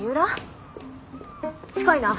近いな。